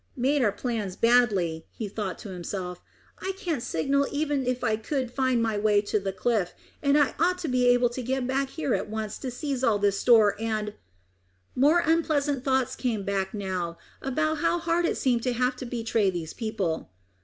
"Made our plans badly," he thought to himself. "I can't signal even if I could find my way to the cliff, and I ought to be able to get back here at once to seize all this store, and " More unpleasant thoughts came back now about how hard it seemed to have to betray these people.